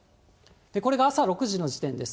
これが朝６時の時点です。